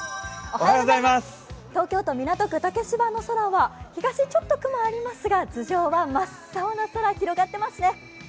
東京都港区竹芝の空は東、ちょっと雲がありますが頭上は真っ青な空が広がっていますね。